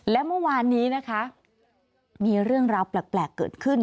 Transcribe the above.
และเมื่อวานนี้นะคะมีเรื่องราวแปลกเกิดขึ้น